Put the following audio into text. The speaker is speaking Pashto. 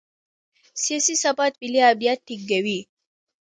سیاسي ثبات ملي امنیت ټینګوي